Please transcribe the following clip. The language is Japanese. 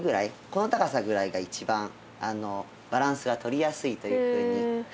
この高さぐらいが一番バランスがとりやすいというふうにいわれております。